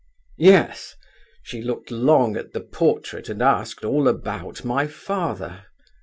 "Yes! She looked long at the portrait and asked all about my father.